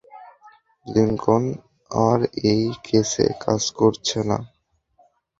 Lincoln আর এই কেসে কাজ করছে না।